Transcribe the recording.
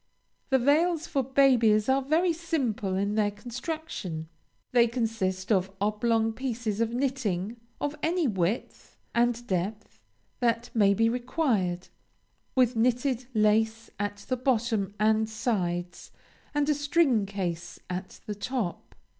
The veils for babies are very simple in their construction; they consist of oblong pieces of knitting of any width and depth that may be required, with knitted lace at the bottom and sides, and a string case at the top.